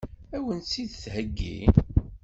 Ad wen-tt-id-theggi?